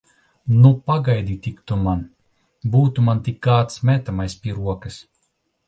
Nu, pagaidi tik tu man! Būtu man tik kāds metamais pie rokas!